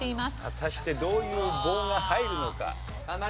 果たしてどういう棒が入るのか？